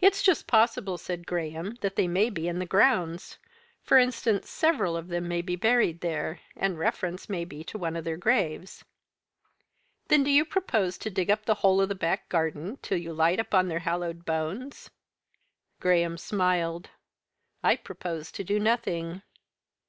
"It is just possible," said Graham, "that they may be in the grounds. For instance, several of them may be buried there, and the reference may be to one of their graves." "Then do you propose to dig up the whole of the back garden till you light upon their hallowed bones?" Graham smiled. "I propose to do nothing."